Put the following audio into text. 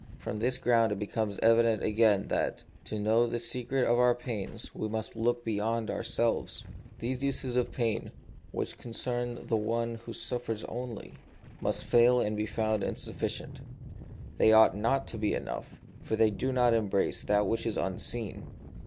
From this ground it becomes evident again that, to know the secret of our pains, we must look beyond ourselves. These uses of pain, which concern the one who suffers only, must fail and be found insuf ficient ; they ought not to be enough, for they do not embrace that which is unseen.